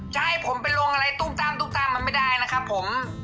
จะให้ผมไปลงอะไรตุ้มตั้มตุ้มตั้มมันไม่ได้นะครับผม